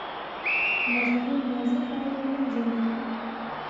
مجهول ماضي فاعل له منځه وړي.